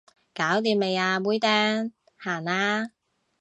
搞掂未啊妹釘，行啦